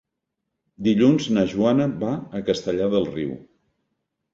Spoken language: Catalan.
Dilluns na Joana va a Castellar del Riu.